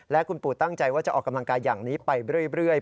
และคุณปู่ตั้งใจว่าจะออกกำลังกายอย่างนี้ไปเรื่อย